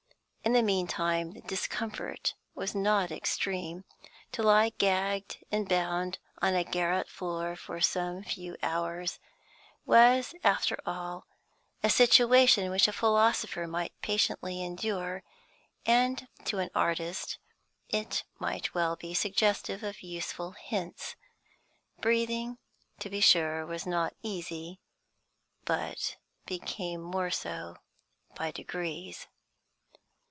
In the meantime, the discomfort was not extreme; to lie gagged and bound on a garret floor for some few hours was, after all, a situation which a philosopher might patiently endure, and to an artist it might well be suggestive of useful hints. Breathing, to be sure, was not easy, but became more so by degrees.